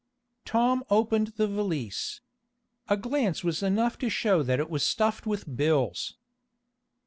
Tom opened the valise. A glance was enough to show that it was stuffed with bills.